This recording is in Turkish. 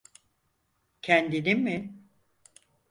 Kendini mi?